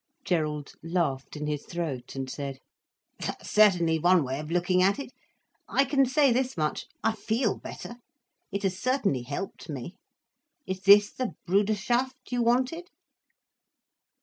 Gerald laughed in his throat, and said: "That's certainly one way of looking at it. I can say this much, I feel better. It has certainly helped me. Is this the Bruderschaft you wanted?"